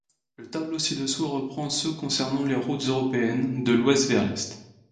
Le tableau ci-dessous reprend ceux concernant les routes européennes, de l'ouest vers l'est.